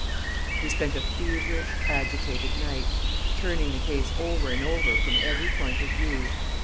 He spent a feverish, agitated night, turning the case over and over from every point of view.